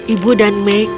ibu dan meg